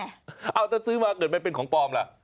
แล้วถ้าซื้อมาเกิดไม่เป็นของปลอมล่ะ